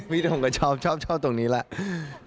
พี่ดมก็ชอบชอบตรงนี้แหละ